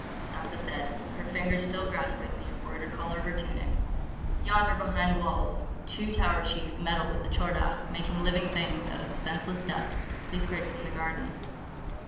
Sansa said, her fingers still grasping the embroidered collar of her tunic: "Yonder, behind walls, two Tower Chiefs meddle with the Tchor Dagh, making living things out of the senseless dust they scrape from the garden."